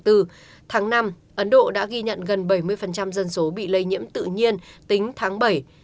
tháng năm ấn độ đã ghi nhận gần bảy mươi dân số bị lây nhiễm tự nhiên tính tháng bảy